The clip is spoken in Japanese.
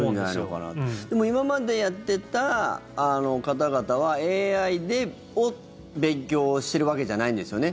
でも、今までやってた方々はＡＩで勉強してるわけじゃないんですよね。